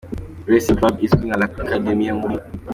Racing Club izwi nka La Academia muri